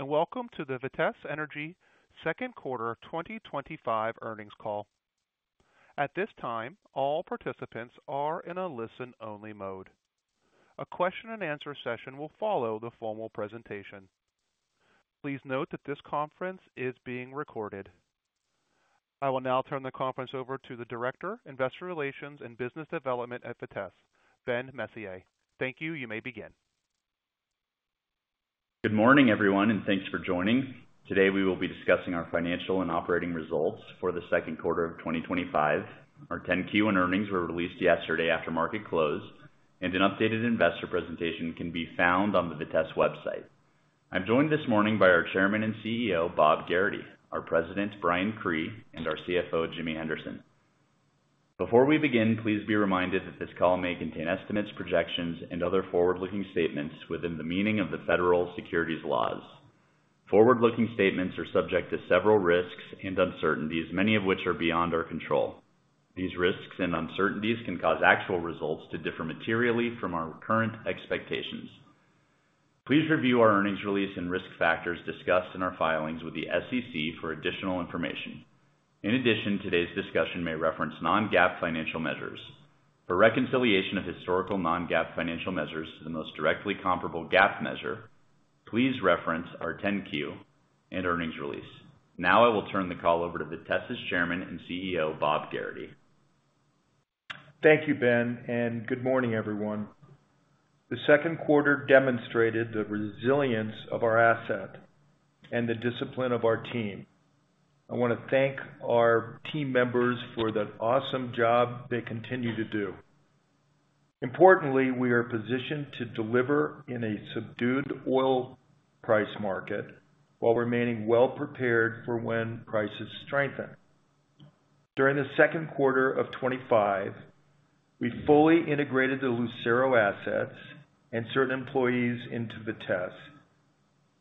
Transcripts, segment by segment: Welcome to the Vitesse Energy Second Quarter 2025 Earnings Call. At this time, all participants are in a listen-only mode. A question and answer session will follow the formal presentation. Please note that this conference is being recorded. I will now turn the conference over to the Director of Investor Relations and Business Development at Vitesse, Ben Messier. Thank you. You may begin. Good morning, everyone, and thanks for joining. Today, we will be discussing our financial and operating results for the second quarter of 2025. Our Form 10-Q and earnings were released yesterday after market close, and an updated investor presentation can be found on the Vitesse website. I'm joined this morning by our Chairman and CEO, Bob Gerrity, our President, Brian Cree, and our CFO, Jimmy Henderson. Before we begin, please be reminded that this call may contain estimates, projections, and other forward-looking statements within the meaning of the Federal Securities Laws. Forward-looking statements are subject to several risks and uncertainties, many of which are beyond our control. These risks and uncertainties can cause actual results to differ materially from our current expectations. Please review our earnings release and risk factors discussed in our filings with the SEC for additional information. In addition, today's discussion may reference non-GAAP financial measures. For reconciliation of historical non-GAAP financial measures to the most directly comparable GAAP measure, please reference our Form 10-Q and earnings release. Now, I will turn the call over to Vitesse's Chairman and CEO, Bob Gerrity. Thank you, Ben, and good morning, everyone. The second quarter demonstrated the resilience of our asset and the discipline of our team. I want to thank our team members for the awesome job they continue to do. Importantly, we are positioned to deliver in a subdued oil price market while remaining well-prepared for when prices strengthen. During the second quarter of 2025, we fully integrated the Lucero assets and certain employees into Vitesse,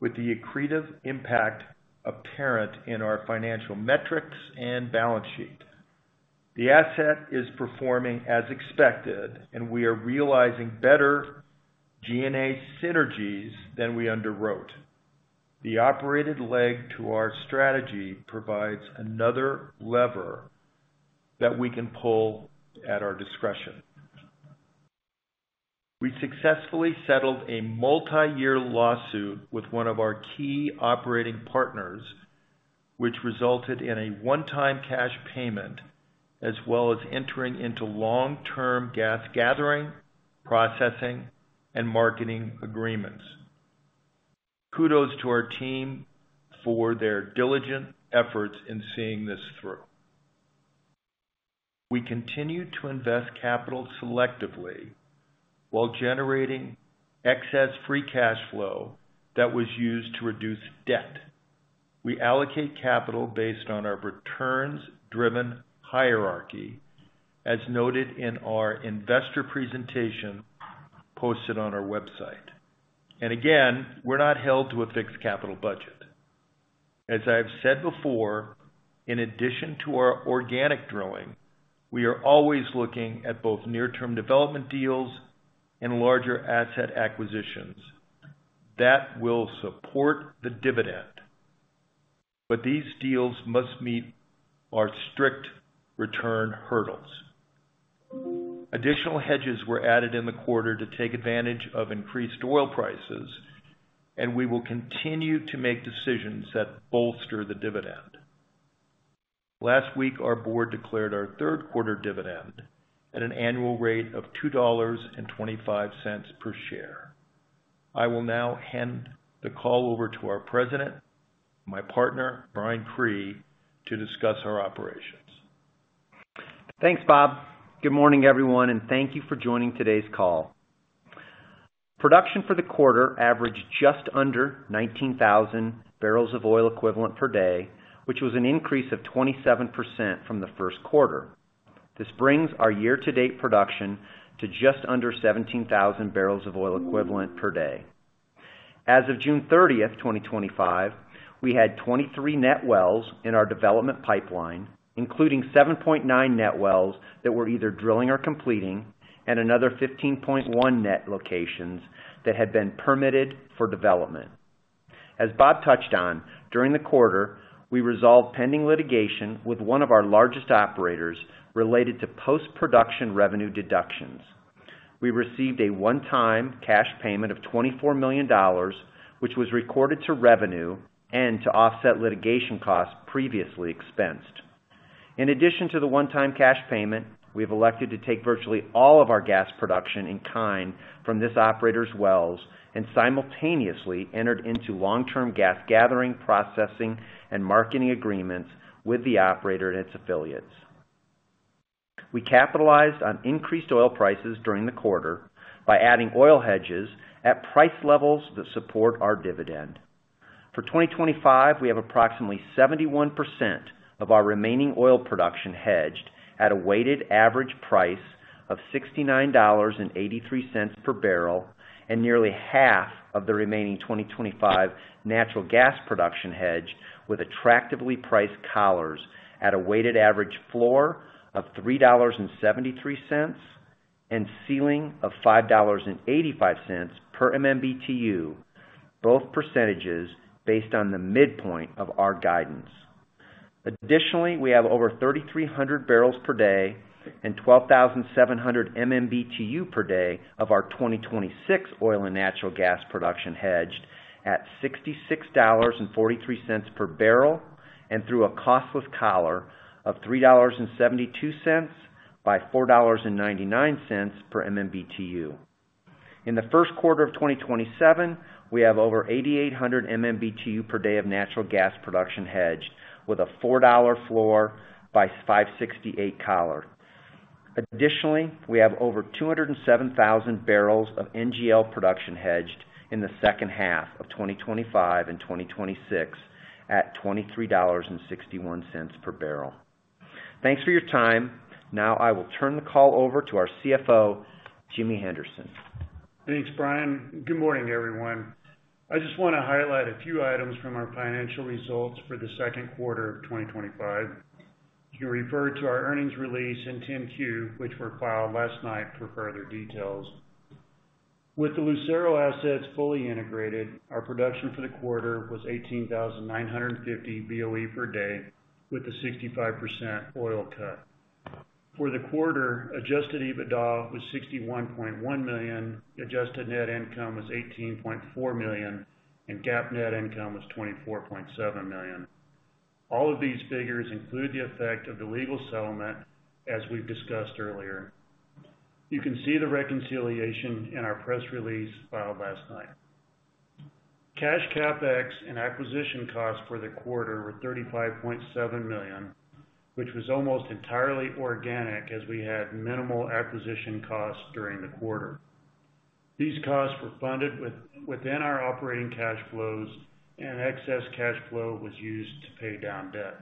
with the accretive impact apparent in our financial metrics and balance sheet. The asset is performing as expected, and we are realizing better G&A synergies than we underwrote. The operated leg to our strategy provides another lever that we can pull at our discretion. We successfully settled a multi-year lawsuit with one of our key operating partners, which resulted in a one-time cash payment, as well as entering into long-term gas gathering, processing, and marketing agreements. Kudos to our team for their diligent efforts in seeing this through. We continue to invest capital selectively while generating excess free cash flow that was used to reduce debt. We allocate capital based on our returns-driven hierarchy, as noted in our investor presentation posted on our website. Again, we're not held to a fixed capital budget. As I have said before, in addition to our organic drilling, we are always looking at both near-term development deals and larger asset acquisitions that will support the dividend. These deals must meet our strict return hurdles. Additional hedges were added in the quarter to take advantage of increased oil prices, and we will continue to make decisions that bolster the dividend. Last week, our board declared our third quarter dividend at an annual rate of $2.25 per share. I will now hand the call over to our President, my partner, Brian Cree, to discuss our operations. Thanks, Bob. Good morning, everyone, and thank you for joining today's call. Production for the quarter averaged just under 19,000 barrels of oil equivalent per day, which was an increase of 27% from the first quarter. This brings our year-to-date production to just under 17,000 barrels of oil equivalent per day. As of June 30th, 2025, we had 23 net wells in our development pipeline, including 7.9 net wells that were either drilling or completing, and another 15.1 net locations that had been permitted for development. As Bob touched on, during the quarter, we resolved pending litigation with one of our largest operators related to post-production revenue deductions. We received a one-time cash payment of $24 million, which was recorded to revenue and to offset litigation costs previously expensed. In addition to the one-time cash payment, we have elected to take virtually all of our gas production in kind from this operator's wells and simultaneously entered into long-term gas gathering, processing, and marketing agreements with the operator and its affiliates. We capitalized on increased oil prices during the quarter by adding oil hedges at price levels that support our dividend. For 2025, we have approximately 71% of our remaining oil production hedged at a weighted average price of $69.83 per barrel and nearly half of the remaining 2025 natural gas production hedged with attractively priced collars at a weighted average floor of $3.73 and ceiling of $5.85 per MMBTU, both percentages based on the midpoint of our guidance. Additionally, we have over 3,300 barrels per day and 12,700 MMBTU per day of our 2026 oil and natural gas production hedged at $66.43 per barrel and through a costless collar of $3.72 by $4.99 per MMBTU. In the first quarter of 2027, we have over 8,800 MMBTU per day of natural gas production hedged with a $4 floor by $5.68 collar. Additionally, we have over 207,000 barrels of NGL production hedged in the second half of 2025 and 2026 at $23.61 per barrel. Thanks for your time. Now, I will turn the call over to our CFO, Jimmy Henderson. Thanks, Brian. Good morning, everyone. I just want to highlight a few items from our financial results for the second quarter of 2025. You can refer to our earnings release and Form 10-Q, which were filed last night for further details. With the Lucero assets fully integrated, our production for the quarter was 18,950 BOE per day with a 65% oil cut. For the quarter, adjusted EBITDA was $61.1 million, adjusted net income was $18.4 million, and GAAP net income was $24.7 million. All of these figures include the effect of the legal settlement, as we've discussed earlier. You can see the reconciliation in our press release filed last night. Cash CapEx and acquisition costs for the quarter were $35.7 million, which was almost entirely organic as we had minimal acquisition costs during the quarter. These costs were funded within our operating cash flows, and excess cash flow was used to pay down debt.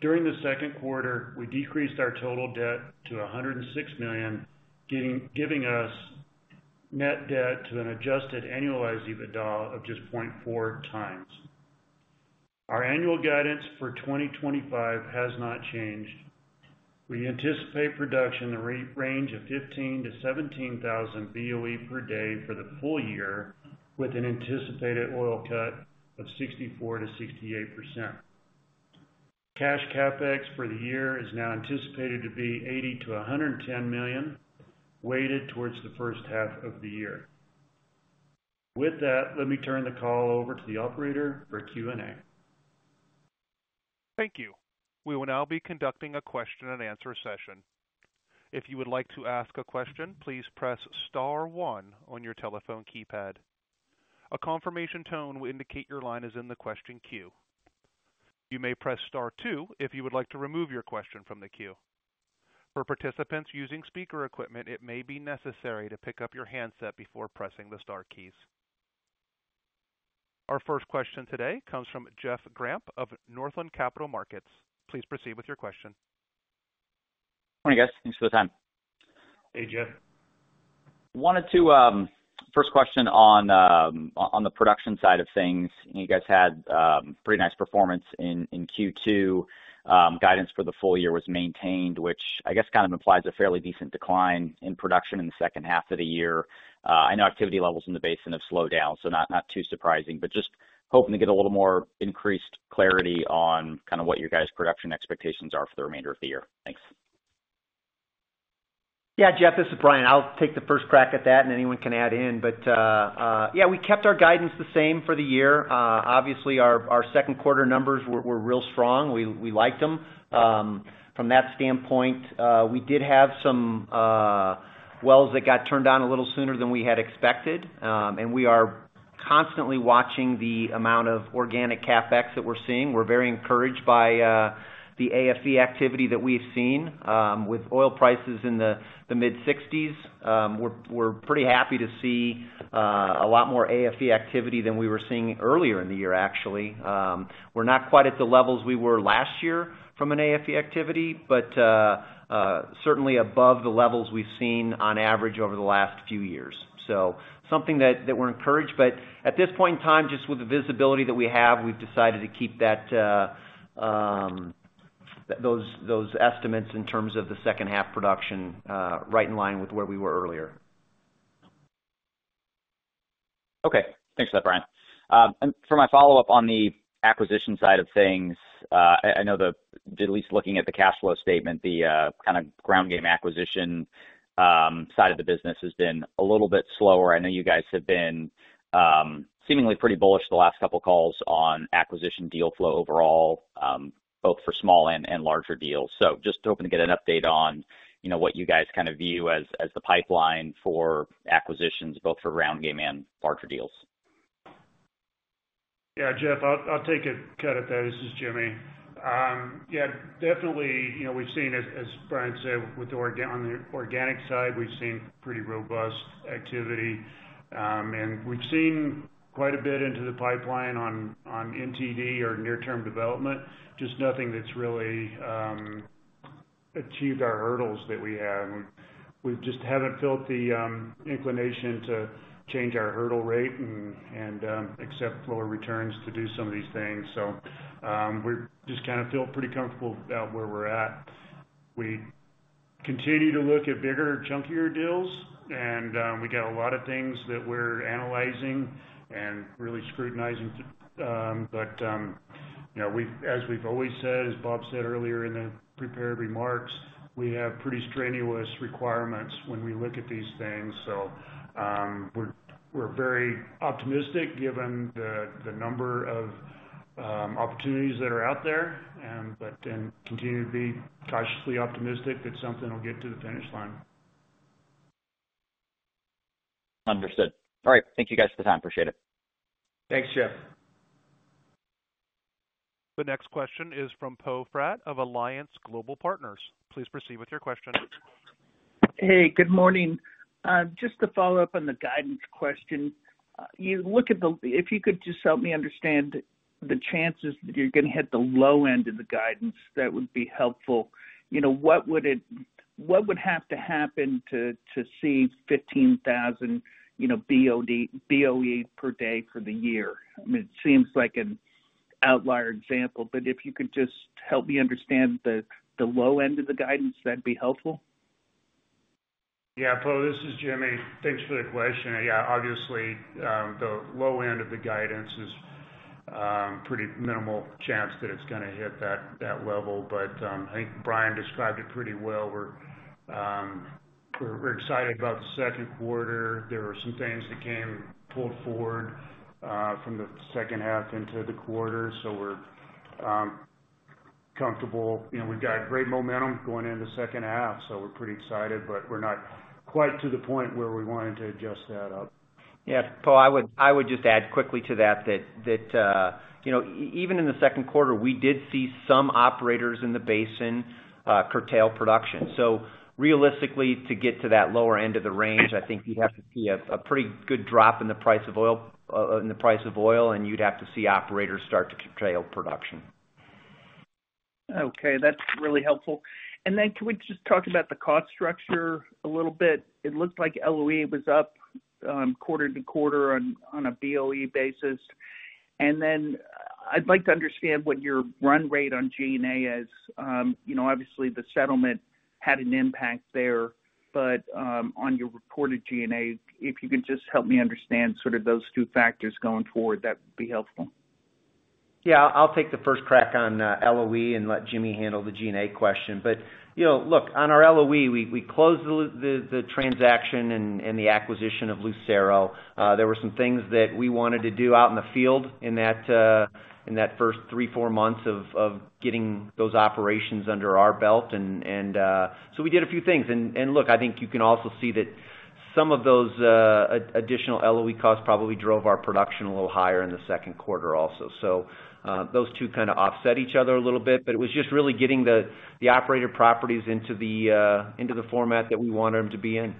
During the second quarter, we decreased our total debt to $106 million, giving us net debt to an adjusted annualized EBITDA of just 0.4x. Our annual guidance for 2025 has not changed. We anticipate production in the range of 15,000 BOE-17,000 BOE per day for the full year, with an anticipated oil cut of 64%-68%. Cash CapEx for the year is now anticipated to be $80 million-$110 million, weighted towards the first half of the year. With that, let me turn the call over to the operator for Q&A. Thank you. We will now be conducting a question and answer session. If you would like to ask a question, please press star one on your telephone keypad. A confirmation tone will indicate your line is in the question queue. You may press star two if you would like to remove your question from the queue. For participants using speaker equipment, it may be necessary to pick up your handset before pressing the star keys. Our first question today comes from Jeff Grampp of Northland Capital Markets. Please proceed with your question. Morning, guys. Thanks for the time. Hey, Jeff. Wanted to, first question on the production side of things. You guys had pretty nice performance in Q2. Guidance for the full year was maintained, which I guess kind of implies a fairly decent decline in production in the second half of the year. I know activity levels in the basin have slowed down, so not too surprising, but just hoping to get a little more increased clarity on kind of what your guys' production expectations are for the remainder of the year. Thanks. Yeah, Jeff, this is Brian. I'll take the first crack at that, and anyone can add in. Yeah, we kept our guidance the same for the year. Obviously, our second quarter numbers were real strong. We liked them. From that standpoint, we did have some wells that got turned on a little sooner than we had expected. We are constantly watching the amount of organic CapEx that we're seeing. We're very encouraged by the AFE activity that we've seen, with oil prices in the mid-sixties. We're pretty happy to see a lot more AFE activity than we were seeing earlier in the year, actually. We're not quite at the levels we were last year from an AFE activity, but certainly above the levels we've seen on average over the last few years. That's something that we're encouraged by, but at this point in time, just with the visibility that we have, we've decided to keep those estimates in terms of the second half production right in line with where we were earlier. Okay. Thanks for that, Brian. For my follow-up on the acquisition side of things, I know that at least looking at the cash flow statement, the kind of ground game acquisition side of the business has been a little bit slower. I know you guys have been seemingly pretty bullish the last couple of calls on acquisition deal flow overall, both for small and larger deals. Just hoping to get an update on what you guys kind of view as the pipeline for acquisitions, both for ground game and larger deals. Yeah, Jeff, I'll take a cut at that. This is Jimmy. Yeah, definitely, you know, we've seen, as Brian said, with the organic side, we've seen pretty robust activity. We've seen quite a bit into the pipeline on NTD or near-term development, just nothing that's really achieved our hurdles that we have. We just haven't felt the inclination to change our hurdle rate and accept lower returns to do some of these things. We just kind of feel pretty comfortable about where we're at. We continue to look at bigger, chunkier deals, and we got a lot of things that we're analyzing and really scrutinizing. As we've always said, as Bob said earlier in the prepared remarks, we have pretty strenuous requirements when we look at these things. We're very optimistic given the number of opportunities that are out there, but continue to be cautiously optimistic that something will get to the finish line. Understood. All right. Thank you guys for the time. Appreciate it. Thanks, Jeff. The next question is from Poe Fratt of Alliance Global Partners. Please proceed with your question. Hey, good morning. Just to follow up on the guidance question, if you could just help me understand the chances that you're going to hit the low end of the guidance, that would be helpful. What would have to happen to see 15,000 BOE per day for the year? I mean, it seems like an outlier example, but if you could just help me understand the low end of the guidance, that'd be helpful. Yeah, Poe, this is Jimmy. Thanks for the question. Obviously, the low end of the guidance is pretty minimal chance that it's going to hit that level. I think Brian described it pretty well. We're excited about the second quarter. There were some things that came pulled forward from the second half into the quarter. We're comfortable. We've got great momentum going into the second half. We're pretty excited, but we're not quite to the point where we wanted to adjust that up. Yeah, Poe, I would just add quickly to that, that, you know, even in the second quarter, we did see some operators in the basin curtail production. Realistically, to get to that lower end of the range, I think you'd have to see a pretty good drop in the price of oil, and you'd have to see operators start to curtail production. Okay. That's really helpful. Can we just talk about the cost structure a little bit? It looked like LOE was up, quarter to quarter, on a BOE basis. I'd like to understand what your run rate on G&A is. Obviously, the settlement had an impact there, but on your reported G&A, if you could just help me understand sort of those two factors going forward, that would be helpful. Yeah, I'll take the first crack on LOE and let Jimmy handle the G&A question. On our LOE, we closed the transaction and the acquisition of Lucero. There were some things that we wanted to do out in the field in that first three, four months of getting those operations under our belt. We did a few things. I think you can also see that some of those additional LOE costs probably drove our production a little higher in the second quarter also. Those two kind of offset each other a little bit, but it was just really getting the operator properties into the format that we wanted them to be in.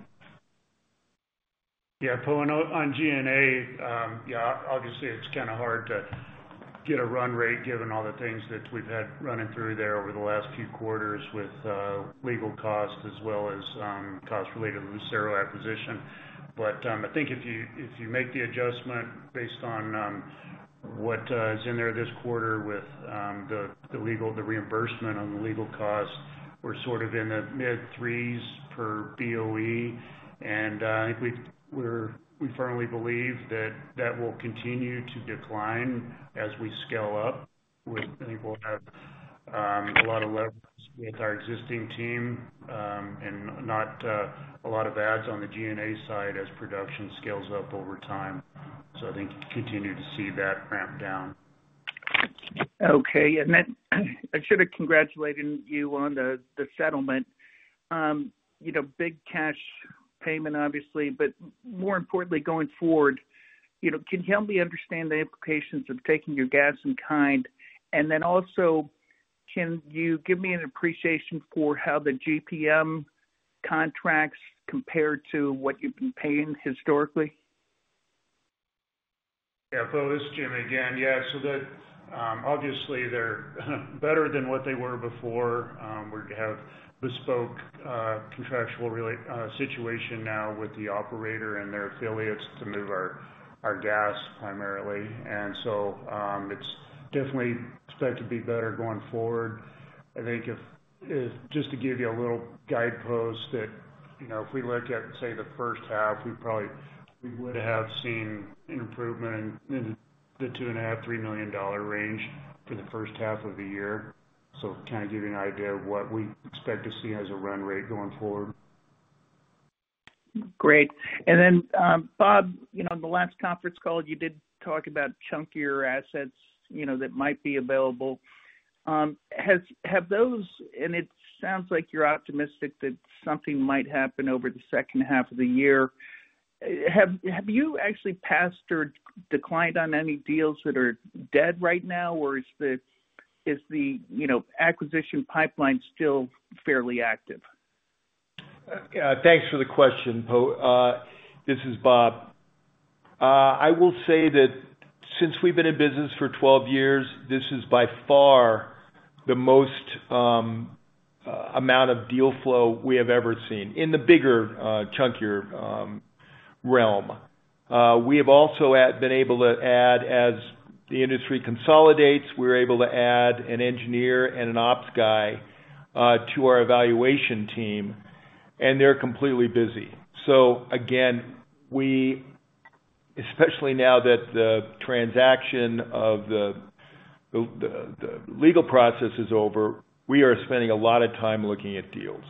Yeah, Poe, on G&A, obviously, it's kind of hard to get a run rate given all the things that we've had running through there over the last few quarters with legal costs as well as costs related to the Lucero acquisition. I think if you make the adjustment based on what is in there this quarter with the legal, the reimbursement on the legal costs, we're sort of in the mid-threes per BOE. I think we firmly believe that that will continue to decline as we scale up. We'll have a lot of left with our existing team, and not a lot of adds on the G&A side as production scales up over time. I think you continue to see that ramp down. Okay. Yeah, I should have congratulated you on the settlement. You know, big cash payment, obviously, but more importantly, going forward, can you help me understand the implications of taking your gas in kind? Also, can you give me an appreciation for how the gas gathering, processing, and marketing agreements compare to what you've been paying historically? Yeah, Poe, this is Jimmy again. Yeah, so that, obviously, they're better than what they were before. We have a bespoke, contractual situation now with the operator and their affiliates to move our gas primarily. It's definitely expected to be better going forward. I think, just to give you a little guidepost, if we look at, say, the first half, we probably would have seen an improvement in the $2.5 million-$3 million range for the first half of the year. That kind of gives you an idea of what we expect to see as a run rate going forward. Great. Bob, in the last conference call, you did talk about chunkier assets that might be available. Has have those, and it sounds like you're optimistic that something might happen over the second half of the year. Have you actually passed or declined on any deals that are dead right now, or is the acquisition pipeline still fairly active? Yeah, thanks for the question, Poe. This is Bob. I will say that since we've been in business for 12 years, this is by far the most amount of deal flow we have ever seen in the bigger, chunkier realm. We have also been able to add, as the industry consolidates, we're able to add an engineer and an ops guy to our evaluation team, and they're completely busy. Again, especially now that the transaction and the legal process is over, we are spending a lot of time looking at deals.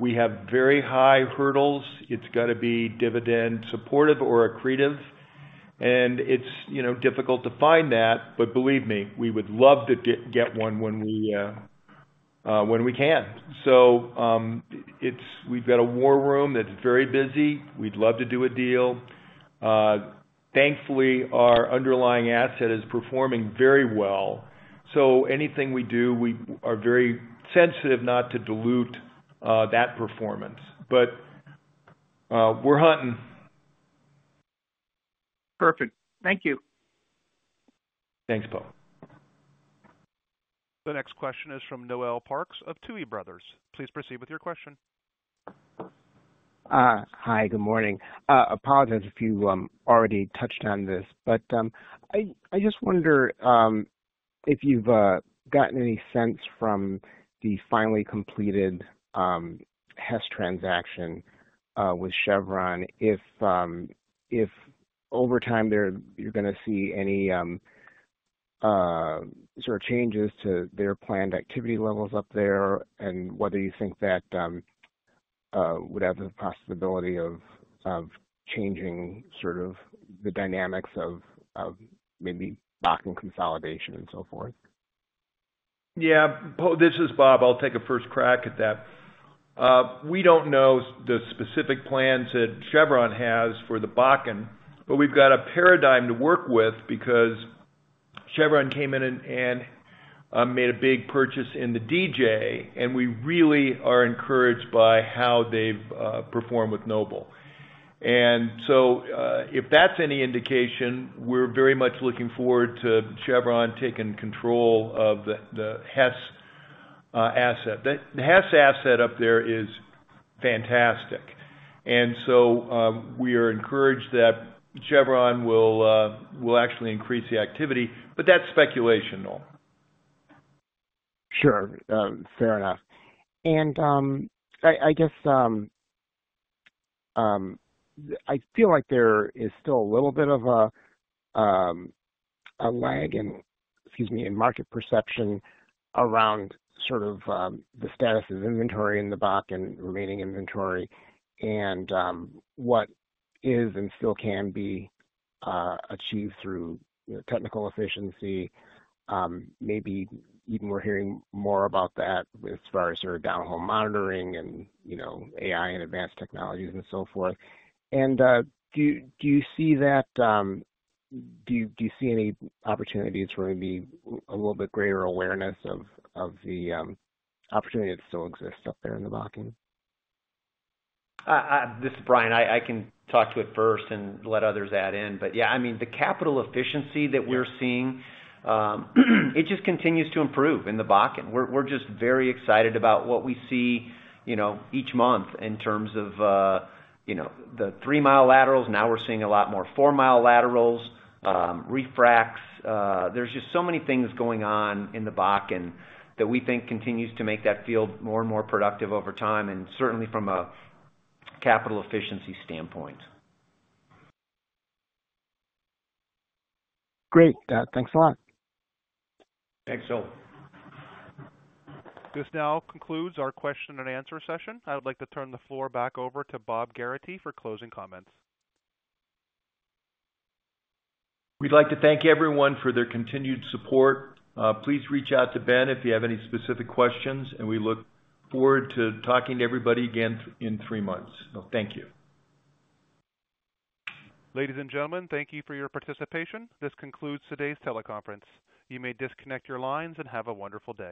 We have very high hurdles. It's got to be dividend-supportive or accretive. It's difficult to find that, but believe me, we would love to get one when we can. We've got a war room that's very busy. We'd love to do a deal. Thankfully, our underlying asset is performing very well. Anything we do, we are very sensitive not to dilute that performance. We're hunting. Perfect. Thank you. Thanks, Paul. The next question is from Noel Parks of Tuohy Brothers. Please proceed with your question. Hi, good morning. I apologize if you already touched on this, but I just wonder if you've gotten any sense from the finally completed Hess transaction with Chevron, if over time you're going to see any sort of changes to their planned activity levels up there and whether you think that would have the possibility of changing sort of the dynamics of maybe Bakken consolidation and so forth. Yeah, this is Bob. I'll take a first crack at that. We don't know the specific plans that Chevron has for the Bakken, but we've got a paradigm to work with because Chevron came in and made a big purchase in the DJ, and we really are encouraged by how they've performed with Noble. If that's any indication, we're very much looking forward to Chevron taking control of the Hess asset. The Hess asset up there is fantastic. We are encouraged that Chevron will actually increase the activity, but that's speculation though. Fair enough. I guess I feel like there is still a little bit of a lag in market perception around the status of inventory in the Bakken, remaining inventory, and what is and still can be achieved through technical efficiency. Maybe even we're hearing more about that as far as downhole monitoring and AI and advanced technologies and so forth. Do you see any opportunities for maybe a little bit greater awareness of the opportunity that still exists up there in the Bakken? This is Brian. I can talk to it first and let others add in. The capital efficiency that we're seeing, it just continues to improve in the Bakken. We're just very excited about what we see each month in terms of the three-mile laterals. Now we're seeing a lot more four-mile laterals, refracts. There's just so many things going on in the Bakken that we think continues to make that field more and more productive over time and certainly from a capital efficiency standpoint. Great, thanks a lot. Thanks, Joel. This now concludes our question and answer session. I would like to turn the floor back over to Bob Gerrity for closing comments. We'd like to thank everyone for their continued support. Please reach out to Ben if you have any specific questions, and we look forward to talking to everybody again in three months. Thank you. Ladies and gentlemen, thank you for your participation. This concludes today's teleconference. You may disconnect your lines and have a wonderful day.